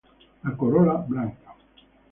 La corola blanca.